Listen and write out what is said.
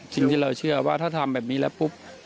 สิ่งที่เราเชื่อว่าถ้าทำแบบนี้แล้วปุ๊บ